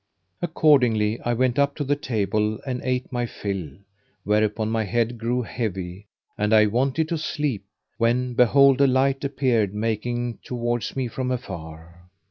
Accordingly I went up to the table and ate my fill, whereupon my head grew heavy and I wanted to sleep, when behold, a light appeared making towards me from afar.